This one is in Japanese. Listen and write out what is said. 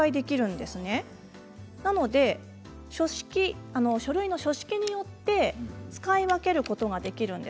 ですので書類の書式によって使い分けることができるんです。